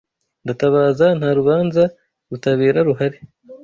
Ndatabaza, nta rubanza rutabera ruhari